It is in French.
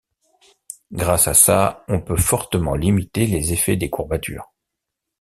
Grâce à ça, on peut fortement limiter les effets des courbatures.